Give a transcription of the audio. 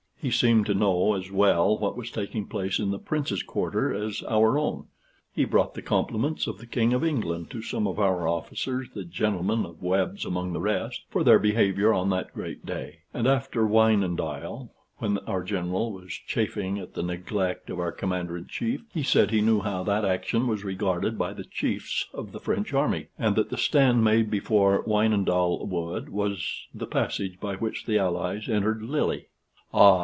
He seemed to know as well what was taking place in the Prince's quarter as our own: he brought the compliments of the King of England to some of our officers, the gentlemen of Webb's among the rest, for their behavior on that great day; and after Wynendael, when our General was chafing at the neglect of our Commander in Chief, he said he knew how that action was regarded by the chiefs of the French army, and that the stand made before Wynendael wood was the passage by which the Allies entered Lille. "Ah!"